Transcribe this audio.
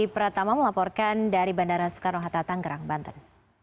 pratama melaporkan dari bandara soekarno hatta tanggerang banten